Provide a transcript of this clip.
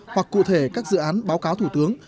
hoặc cụ thể các dự án báo cáo thủ tướng